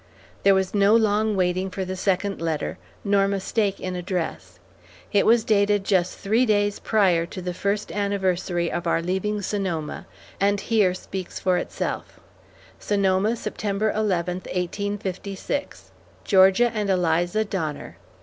There was no long waiting for the second letter, nor mistake in address. It was dated just three days prior to the first anniversary of our leaving Sonoma, and here speaks for itself: SONOMA, Sept. 11, 1856 GEORGIA AND ELIZA DONNER.